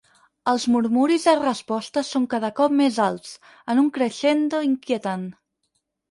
Els murmuris de resposta són cada cop més alts, en un crescendo inquietant.